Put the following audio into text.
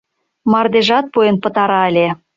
Мардежат пуэн пытара ыле;